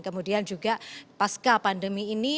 kemudian juga pasca pandemi ini